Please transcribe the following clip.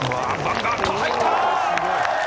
入った。